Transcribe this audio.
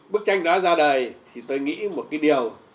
bức tranh đó ra đời thì tôi nghĩ một cái điều